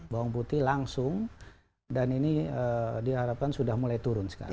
bawang putih langsung dan ini diharapkan sudah mulai turun sekarang